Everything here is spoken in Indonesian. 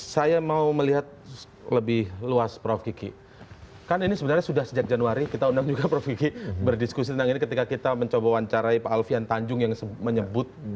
saya mau melihat lebih luas prof kiki kan ini sebenarnya sudah sejak januari kita undang juga prof kiki berdiskusi tentang ini ketika kita mencoba wawancarai pak alfian tanjung yang menyebut